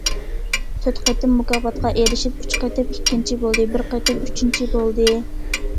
تۆت قېتىم مۇكاپاتقا ئېرىشىپ، ئۈچ قېتىم ئىككىنچى بولدى، بىر قېتىم ئۈچىنچى بولدى.